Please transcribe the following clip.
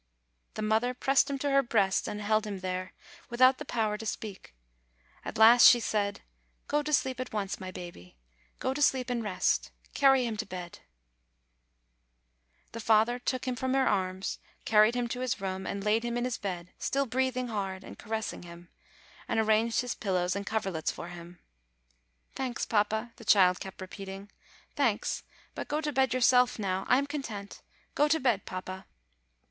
The mother pressed him to her breast and held him there, without the power to speak ; at last she said: "Go to sleep at once, my baby, go to sleep and rest. Carry him to bed." 8o DECEMBER The father took him from her arms, carried him to his room, and laid him in his bed, still breathing hard and caressing him, and arranged his pillows and coverlets for him. "Thanks, papa," the child kept repeating; "thanks; but go to bed yourself now; I am content; go to bed, papa."